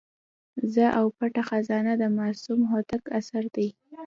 زه او پټه خزانه د معصوم هوتک اثر دی.